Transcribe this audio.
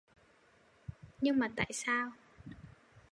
Nhưng mà tại sao